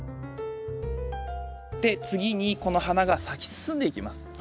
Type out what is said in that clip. で次にこの花が咲き進んでいきます。